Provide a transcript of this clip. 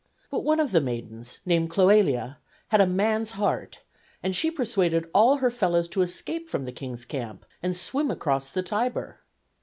But one of the maidens, named Cloelia, had a man's heart, and she persuaded all her fellows to escape from the king's camp and swim across the Tiber.